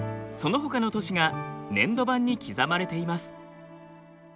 そのほかの都市が粘土板に刻まれています。